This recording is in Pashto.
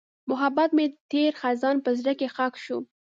محبت مې د تېر خزان په زړه کې ښخ شو.